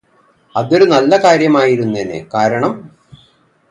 അതൊരു നല്ല കാര്യമായിരുന്നേനെ കാരണം